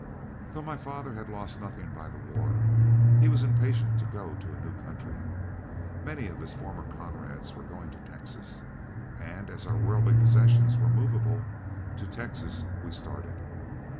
Though my father had lost nothing by the war, he was impatient to go to a new country. Many of his former comrades were going to Texas, and, as our worldly possessions were movable, to Texas we started.